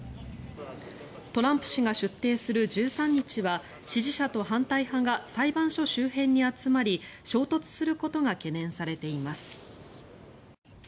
トランプ氏が出廷する１３日には、支持者と反対派が裁判所周辺に集まり衝突することが懸念されています。